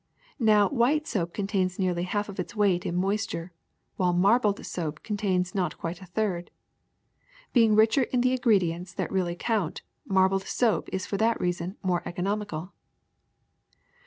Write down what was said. Now, white soap contains nearly half of its weight in moisture, while marbled soap contains not quite a third. Being richer in the ingredients that really count, marbled soap is for that reason more econom ical.